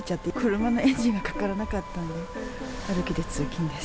車のエンジンがかからなかったんで、歩きで通勤です。